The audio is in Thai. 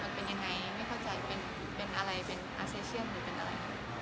มันเป็นยังไงไม่เข้าใจเป็นอะไรเป็นอาเซียนหรือเป็นอะไร